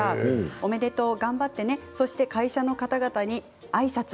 おめでとう、頑張ってねそして会社の方々にあいさつ